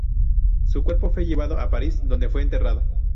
Su cuerpo fue llevado a París, donde fue enterrado.